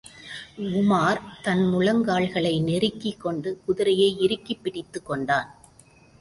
உமார் தன் முழங்கால்களை நெருக்கிக் கொண்டு குதிரையை இறுக்கிப் பிடித்துக் கொண்டான்.